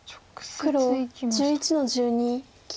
黒１１の十二切り。